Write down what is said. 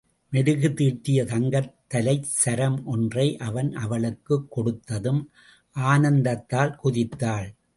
மெருகு தீட்டிய தங்கத் தலைச் சரம் ஒன்றை அவன் அவளுக்குக் கொடுத்ததும், ஆனந்தத்தால் குதித்தாள்.